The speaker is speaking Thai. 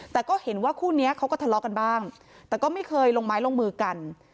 แต่ก็เห็นว่าคู่นี้เขาก็ทะเลาะกันบ้างแต่ก็ไม่เคยลงไม้ลงมือกัน